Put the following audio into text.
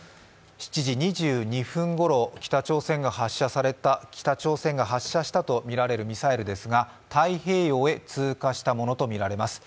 ７時２２分ごろ、北朝鮮が発射したとみられるミサイルですが太平洋へ通過したものとみられます。